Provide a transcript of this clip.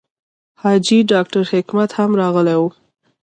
حاجي ډاکټر حکمت هم راغلی و.